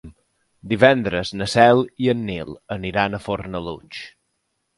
Divendres na Cel i en Nil aniran a Fornalutx.